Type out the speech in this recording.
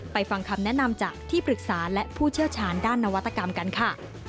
ฟังคำแนะนำจากที่ปรึกษาและผู้เชี่ยวชาญด้านนวัตกรรมกันค่ะ